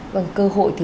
vâng cơ hội thứ ba